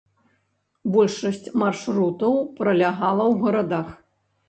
Большасць маршрутаў пралягала ў гарадах.